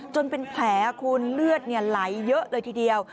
จนเป็นแผลคุณเลือดไหลเยอะเลยทีเดียว